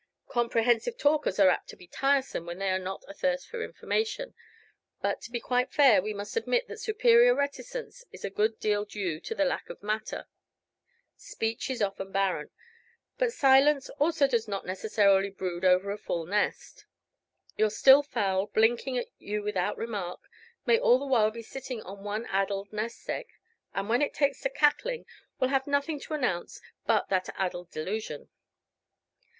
Comprehensive talkers are apt to be tiresome when we are not athirst for information, but, to be quite fair, we must admit that superior reticence is a good deal due to the lack of matter. Speech is often barren; but silence also does not necessarily brood over a full nest. Your still fowl, blinking at you without remark, may all the while be sitting on one addled nest egg; and when it takes to cackling, will have nothing to announce but that addled delusion.